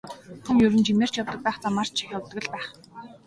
Хүн ер нь жимээр ч явдаг байх, замаар ч явдаг л байх.